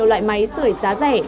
về nhiều loại máy sửa giá rẻ